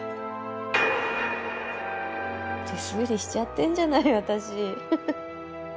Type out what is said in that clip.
って推理しちゃってんじゃない私！